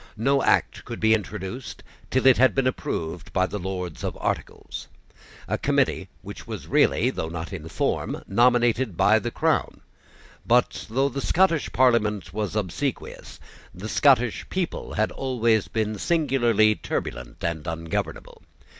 No act could be introduced till it had been approved by the Lords of Articles, a committee which was really, though not in form, nominated by the crown. But, though the Scottish Parliament was obsequious, the Scottish people had always been singularly turbulent and ungovernable.